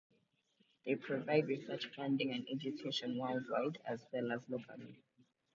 They provide research funding and education worldwide as well as locally.